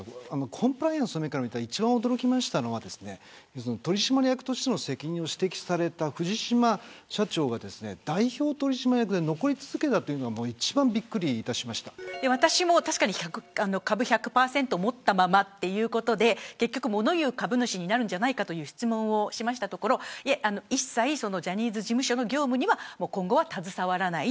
コンプライアンスの面から見て一番驚いたのは取締役としての責任を指摘された藤島社長が代表取締役として残り続けたというのが私も株を１００％持ったままということでモノ言う株主になるんじゃないかという質問をしましたところ一切、ジャニーズ事務所の業務には、今後は携わらない。